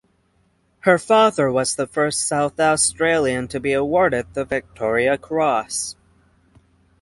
Her father was the first South Australian to be awarded the Victoria Cross.